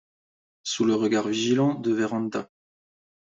Sous le regard vigilant de Vérand’a.